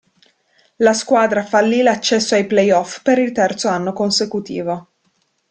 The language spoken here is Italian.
La squadra fallì l'accesso ai playoff per il terzo anno consecutivo.